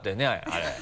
あれ。